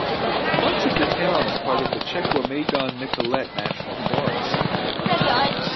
Much of the town is a part of the Chequamegon-Nicolet National Forest.